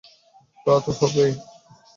তা তো হবেই।